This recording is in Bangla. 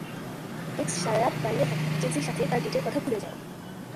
টেক্স সারা রাত বাইরে থাকে, চেলসির সাথে তার ডেটের কথা ভুলে যায়।